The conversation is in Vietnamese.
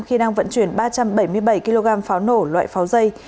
khi đang vận chuyển ba trăm bảy mươi bảy kg pháo nổ loại pháo dây